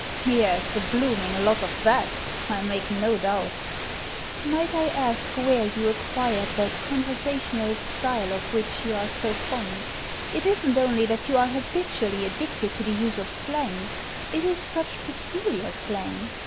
"Yes, a blooming lot of that, I make no doubt" "Might I ask where you acquired that conversa tional style of which you are so fond ? It isn't only that you are habitually addicted to the use of slang ; it is such peculiar slang.